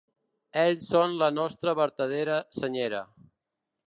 Ells són la nostra vertadera senyera.